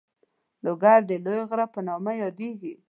لوګر د لوی غر په نامه یادېده.